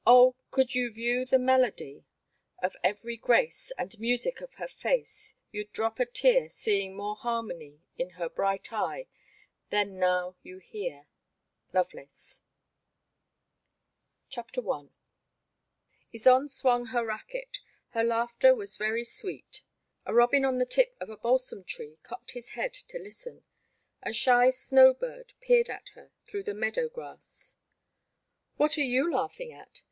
Oh ! could you view the melodie Of ev'ry grace, And musick of her face, You *d drop a teare, Seeing more harmonie In her bright eye, Then now you heare." I/)VKX^CS. I. Y SONDE swung her racquet. Her laughter was very sweet. A robin on the tip of a balsam tree cocked his head to listen ; a shy snow bird peered at her through the meadow grass. *'What are you laughing at?"